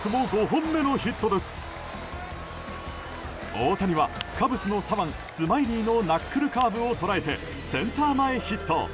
大谷はカブスの左腕スマイリーのナックルカーブを捉えてセンター前ヒット。